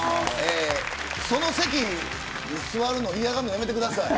その席に座るの嫌がるのをやめてください。